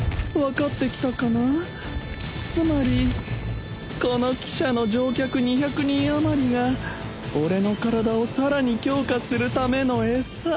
つまりこの汽車の乗客２００人余りが俺の体をさらに強化するための餌。